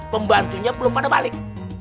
pembantunya belum pada balik